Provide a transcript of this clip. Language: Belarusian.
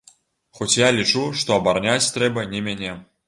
Хоць я лічу, што абараняць трэба не мяне.